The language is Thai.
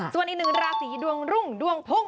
ส่วนอีกหนึ่งราศีดวงรุ่งดวงพุ่ง